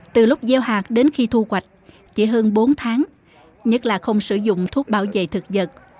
từ lúc gieo hạt đến khi thu hoạch chỉ hơn bốn tháng nhất là không sử dụng thuốc bảo vệ thực vật